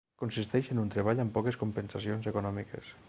Consisteix en un treball amb poques compensacions econòmiques.